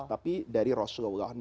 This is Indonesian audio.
tapi dari rasulullah